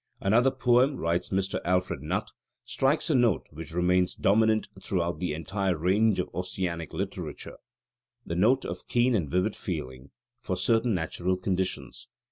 "Another poem," writes Mr. Alfred Nutt, "strikes a note which remains dominant throughout the entire range of Ossianic Literature: the note of keen and vivid feeling for certain natural conditions.